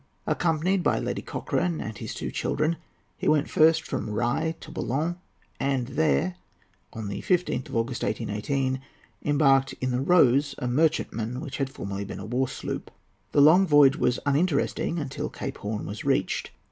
Accompanied by Lady Cochrane and his two children, he went first from Rye to Boulogne, and there, on the 15th of August, 1818, embarked in the Rose, a merchantman which had formerly been a warsloop. The long voyage was uninteresting until Cape Horn was reached.